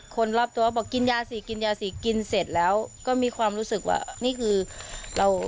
คนรอบตัวบอกกินยาสิกินยาสิกินเสร็จแล้วก็มีความรู้สึกว่านี่คือเรา